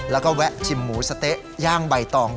แล้วก็แวะชิมหมูสะเต๊ะย่างใบตอง